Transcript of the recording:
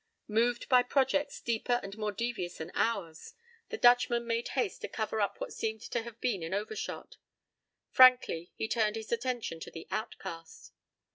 p> Moved by projects deeper and more devious than ours, the Dutchman made haste to cover up what seemed to have been an overshot. Frankly, he turned his attention to the outcast.